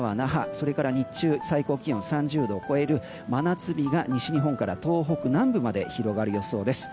それから日中最高気温３０度を超える真夏日が西日本から東北南部まで広がる予想です。